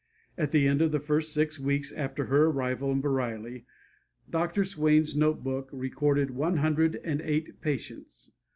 At the end of the first six weeks after her arrival in Bareilly, Dr. Swain's note book recorded one hundred and eight patients.